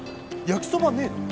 焼きそばねぇの？